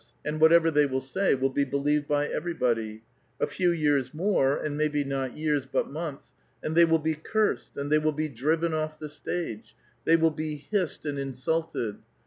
" and whatever they ^^vill say, will be believed by everybody ; a few years more, ^nd maybe not years but months, and they will be cursed, ^iid they will be driven off the stage, they will be hissed and 200^ A VITAL QUESTION. insulted.